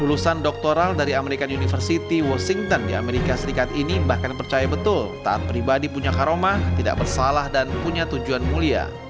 lulusan doktoral dari american university washington di amerika serikat ini bahkan percaya betul taat pribadi punya karomah tidak bersalah dan punya tujuan mulia